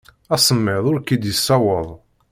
Asemmiḍ ur k-id-yeṣṣawaḍ.